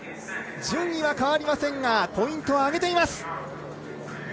順位は変わりませんがポイントを上げています。